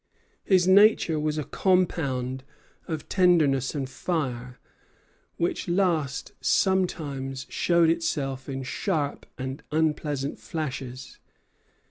His nature was a compound of tenderness and fire, which last sometimes showed itself in sharp and unpleasant flashes.